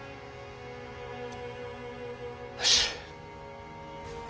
よし。